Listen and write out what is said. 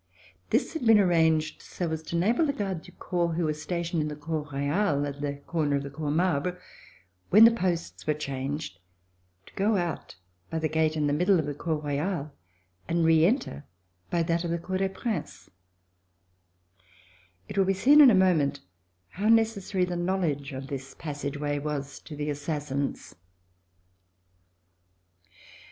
This had been arranged so as to enable the Gardes du Corps, who were stationed in the Cour Royale at the corner of the Cour Marbre, when the posts were changed, to go out by the gate at the middle of the Cour Royale [lOl] RECOLLECTIONS OF THE REVOLUTION and reenter by that of the Cour des Princes. It will be seen in a moment how necessary the knowledge of this passageway was to the assassins.